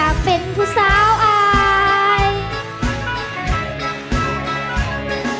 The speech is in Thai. เธอเป็นผู้สาวขาเลียน